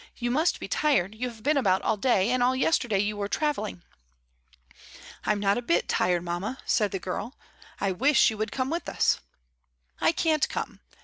"You must be tired, you have been about all day, and all yesterday you were travelling." "I'm not a bit tired, mamma," said the girl. "I wish you would come with us." "I can't come.